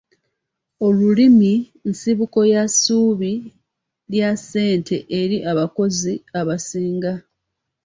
Omulimi nsibuko ya ssuubi lya ssente eri abakozi abasinga.